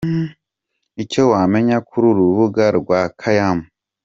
Icyo wamenya ku rubuga rwa Kaymu.